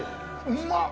うまっ！